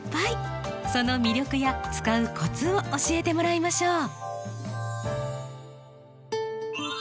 その魅力や使うコツを教えてもらいましょう。